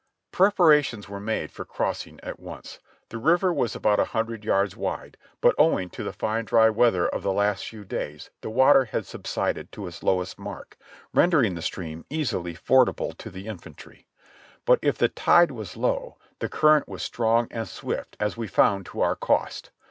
Preparations were made for crossing at once. The river was about a hundred yards wide, but owing to the fine dry weather of the last few days the water had subsided to its lowest mark, ren dering the stream easily fordable to the infantry. But if the tide was low, the current was strong and swift, as we found to our cost.